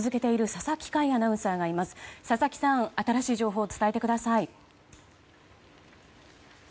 佐々木さん、新しい情報伝えてください。